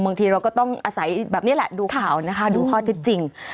บางทีเราก็ต้องอาศัยแบบนี้แหละดูข่าวนะคะดูข้อเท็จจริง